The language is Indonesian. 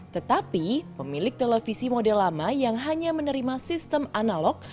tetapi pemilik televisi model lama yang hanya menerima sistem analog